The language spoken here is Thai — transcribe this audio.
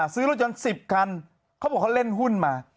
ซื้อรถยนต์๑๐คันเขาบอกเขาเล่นหุ้นมา